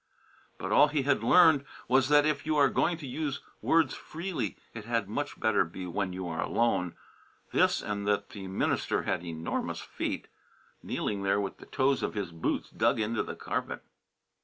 But all he had learned was that if you are going to use words freely it had much better be when you are alone; this, and that the minister had enormous feet, kneeling there with the toes of his boots dug into the carpet.